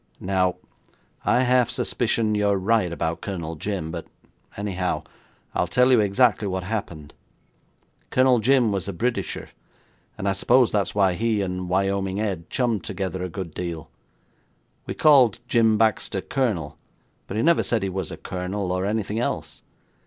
Now, I half suspicion you're right about Colonel Jim, but, anyhow, I'll tell you exactly what happened. Colonel Jim was a Britisher, and I suppose that's why he and Wyoming Ed chummed together a good deal. We called Jim Baxter Colonel, but he never said he was a colonel or anything else.